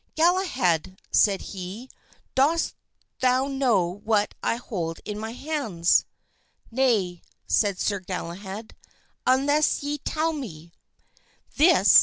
"Galahad," said he, "dost thou know what I hold in my hands?" "Nay," said Sir Galahad, "unless ye tell me."